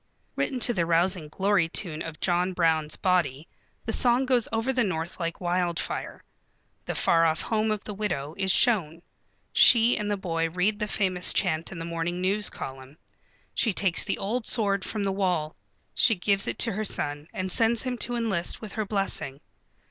Written to the rousing glory tune of John Brown's Body the song goes over the North like wildfire. The far off home of the widow is shown. She and the boy read the famous chant in the morning news column. She takes the old sword from the wall. She gives it to her son and sends him to enlist with her blessing.